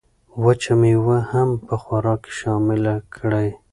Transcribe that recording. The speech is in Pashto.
وچه مېوه هم په خوراک کې شامله کړئ.